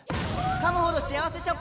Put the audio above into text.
かむほど幸せ食感！